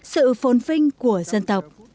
sự phôn vinh của dân tộc